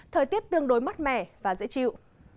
thời tiết tương đối mát mẻ và dễ chịu